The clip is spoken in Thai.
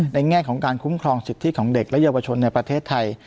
แง่ของการคุ้มครองสิทธิของเด็กและเยาวชนในประเทศไทย